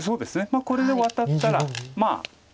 これでワタったらまあ。